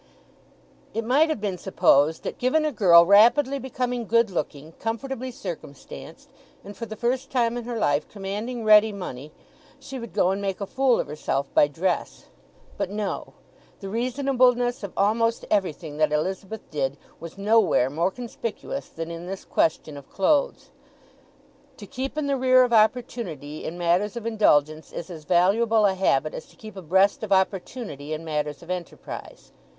It might have been supposed that, given a girl rapidly becoming good looking, comfortably circumstanced, and for the first time in her life commanding ready money, she would go and make a fool of herself by dress. But no. The reasonableness of almost everything that Elizabeth did was nowhere more conspicuous than in this question of clothes. To keep in the rear of opportunity in matters of indulgence is as valuable a habit as to keep abreast of opportunity in matters of enterprise.